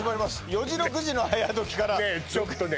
４時６時の「はやドキ！」からちょっとね